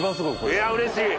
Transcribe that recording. いやうれしい！